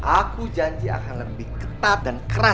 aku janji akan lebih ketat dan keras